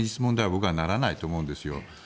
僕はならないと思うんですよ。